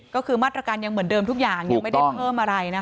ก็คือมาตรการยังเหมือนเดิมทุกอย่างยังไม่ได้เพิ่มอะไรนะคะ